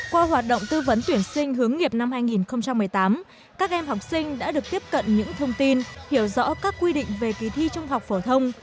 qua hoạt động tư vấn tuyển sinh hướng nghiệp năm hai nghìn một mươi tám các em học sinh đã được tiếp cận những thông tin hiểu rõ các quy định về kỳ thi trung học phổ thông